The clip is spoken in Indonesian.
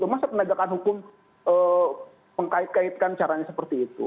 masa penegakan hukum mengkait kaitkan caranya seperti itu